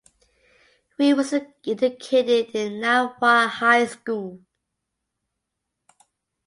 Wee was educated in Nan Hua High School.